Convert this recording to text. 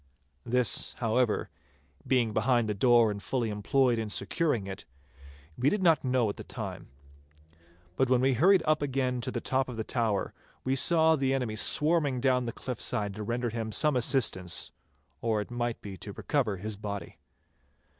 This, however, being behind the door and fully employed in securing it, we did not know at the time. But when we hurried again to the top of the tower, we saw the enemy swarming down the cliff side to render him some assistance, or it might be to recover his body.